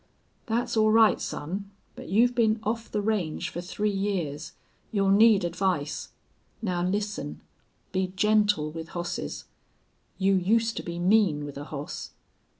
"Thet's all right, son. But you've been off the range fer three years. You'll need advice. Now listen. Be gentle with hosses. You used to be mean with a hoss.